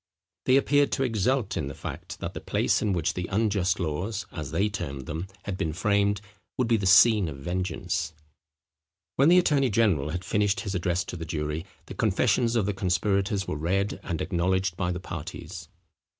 They appeared to exult in the fact, that the place in which the unjust laws, as they termed them, had been framed, would be the scene of vengeance. When the attorney general had finished his address to the jury, the confessions of the conspirators were read, and acknowledged by the parties.